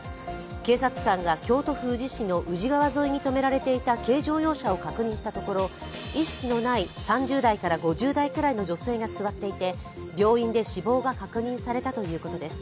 警察官が京都府宇治市の宇治川沿いに止められていた軽乗用車を確認したところ意識のない３０代から５０代くらいの女性が座っていて病院で死亡が確認されたということです。